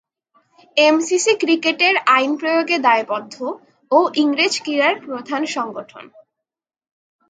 MCC ক্রিকেটের আইন প্রয়োগে দায়বদ্ধ ও ইংরেজ ক্রীড়ার প্রধান সংগঠন।